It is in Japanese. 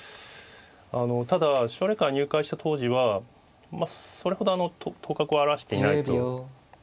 ただ奨励会入会した当時はそれほど頭角を現していないという感じで。